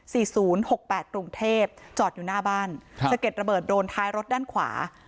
ศูนย์หกแปดกรุงเทพจอดอยู่หน้าบ้านครับสะเก็ดระเบิดโดนท้ายรถด้านขวา